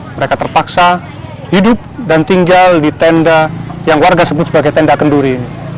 mereka terpaksa hidup dan tinggal di tenda yang warga sebut sebagai tenda kenduri